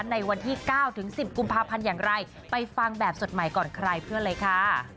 ในวันที่๙ถึง๑๐กุมภาพันธ์อย่างไรไปฟังแบบสดใหม่ก่อนใครเพื่อนเลยค่ะ